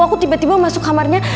aku tiba tiba masuk kamarnya